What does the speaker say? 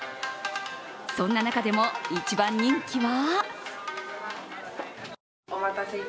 そんな中でも一番人気は？